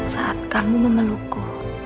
saat kamu memelukku